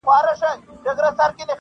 تا خو د کونړ د یکه زار کیسې لیکلي دي-